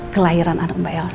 kelahiran anak mbak elsa